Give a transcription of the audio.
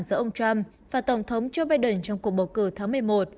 giữa ông trump và tổng thống joe biden trong cuộc bầu cử tháng một mươi một